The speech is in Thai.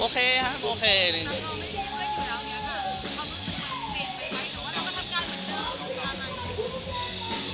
โอเคครับโอเคจริงจริงจริงจริง